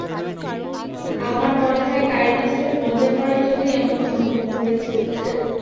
আমার মনে হয়, কারিনা স্রেফ মজা করার জন্যই এমন মন্তব্য করেছেন।